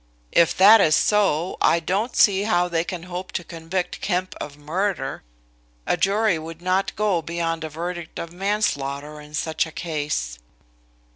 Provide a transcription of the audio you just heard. If that is so, I don't see how they can hope to convict Kemp of murder a jury would not go beyond a verdict of manslaughter in such a case."